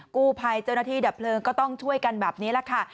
กู้ภัยเจ้าหน้าที่ดับเพลิงก็ต้องช่วยกันแบบนี้แหละค่ะ